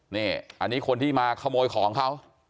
นี่อันนี้คนที่มาขโมยของเขา